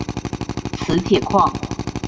磁铁矿。